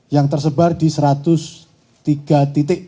yang tersebar di satu ratus tiga titik